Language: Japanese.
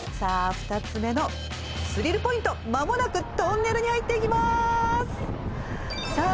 ２つ目のスリルポイントまもなくトンネルに入っていきまーすさあ